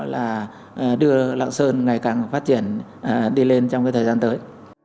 là đưa lạng sơn ngày càng phát triển đi lên trong cái thời gian tới